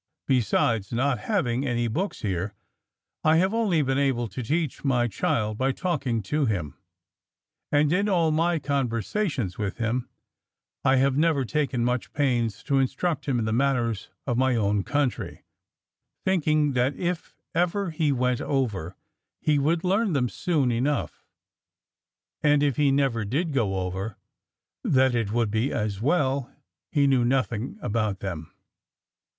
Besides, not having any books here, I have only been able to teach my child by talking to him, and in all my conversations with him I have never taken much pains to instruct him in the manners of my own country; thinking, that if ever he went over, he would learn them soon enough; and if he never did go over, that it would be as well he knew nothing about them.